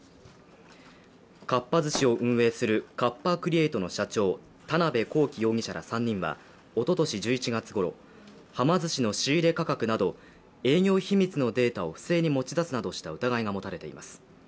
かっぱ寿司を運営するカッパ・クリエイトの社長、田辺公己容疑者ら３人はおととし１１月ごろはま寿司の仕入れ価格など営業秘密のデータを不正に持ち出すなどした疑いが持たれています。